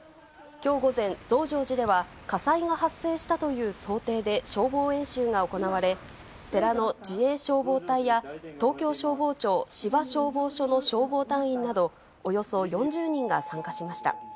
きょう午前、増上寺では火災が発生したという想定で消防演習が行われ、寺の自衛消防隊や東京消防庁芝消防署の消防隊員などおよそ４０人が参加しました。